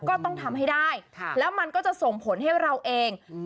ก็ต้องทำให้ได้ค่ะแล้วมันก็จะส่งผลให้เราเองอืม